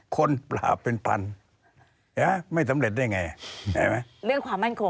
คนหลาบเป็นพันไม่สำเร็จได้อย่างไร